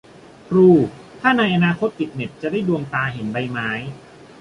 ทรู - ถ้าในอนาคตติดเน็ตจะได้ดวงตาเห็นใบไม้